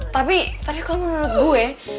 tapi tapi kalau menurut gue